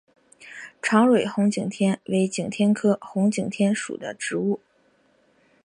长蕊红景天为景天科红景天属的植物。